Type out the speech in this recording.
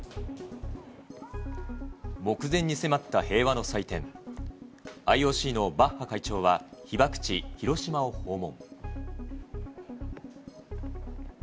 目前に迫った平和の祭典、ＩＯＣのバッハ会長は、被爆地、広島を訪問。